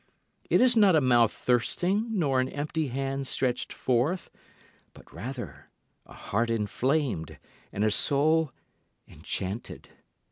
It is not a mouth thirsting nor an empty hand stretched forth, But rather a heart enflamed and a soul enchanted.